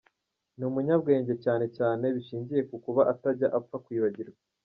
Ni umunyabwenge cyane cyane bishingiye ku kuba atajya apfa kwibagirwa.